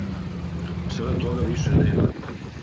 Сада тога више нема.